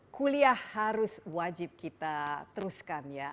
kuliah harus wajib kita teruskan ya